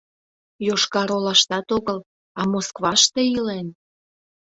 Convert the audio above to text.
Йошкар-Олаштат огыл, а Москваште илен.